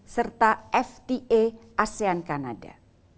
serta fta asean kanada